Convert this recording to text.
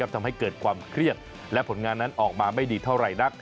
ทำให้เกิดความเครียดและผลงานนั้นออกมาไม่ดีเท่าไหร่นัก